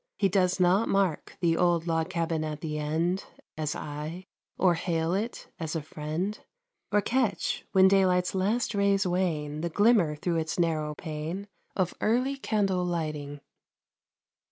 He does not mark The old log cabin at the end As I, or hail it as a friend, Or catch, when daylight's last rays wane, The glimmer through its narrow pane Of early candle lighting.